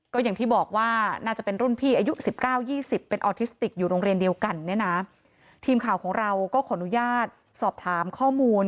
ก็อย่างที่บอกว่าน่าจะเป็นรุ่นพี่อายุ๑๙๒๐